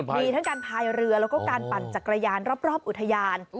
มีทั้งการพายเรือแล้วก็การปั่นจักรยานรอบอุทยาน